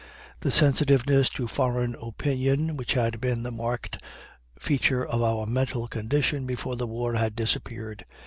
The sensitiveness to foreign opinion which had been the marked feature of our mental condition before the war had disappeared.